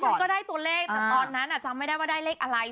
ฉันก็ได้ตัวเลขแต่ตอนนั้นจำไม่ได้ว่าได้เลขอะไร